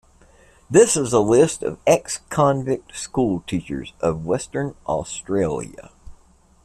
This is a list of ex-convict school teachers of Western Australia.